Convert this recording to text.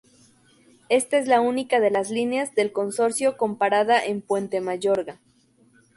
Esta es la única de las líneas del consorcio con parada en Puente Mayorga.